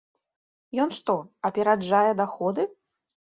Ён што, апераджае даходы?